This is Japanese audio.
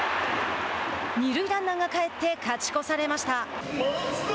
二塁ランナーが帰って勝ち越されました。